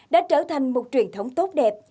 đã trở thành một truyền thống tốt đẹp